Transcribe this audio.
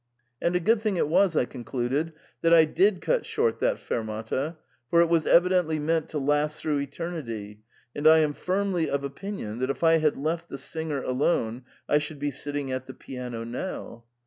* And a good thing it was,* I concluded, * that I did cut short XhsXfermatay for it was evidently meant to last through eternity, and I am firmly of opinion that if I had left the singer alone, I should be sitting at the piano now.'